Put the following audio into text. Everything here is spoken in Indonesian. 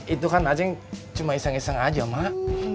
itu kan a ceng cuma iseng iseng aja mak